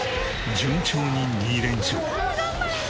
順調に２連勝。